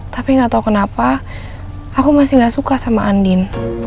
tapi nggak tahu kenapa aku masih gak suka sama andin